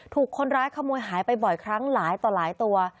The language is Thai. ถูกคนร้ายขโมยหายไปบ่อยครั้งหลายต่อหลายตัว